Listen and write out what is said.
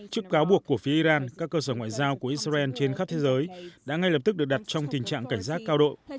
trước cáo buộc của phía iran các cơ sở ngoại giao của israel trên khắp thế giới đã ngay lập tức được đặt trong tình trạng cảnh giác cao độ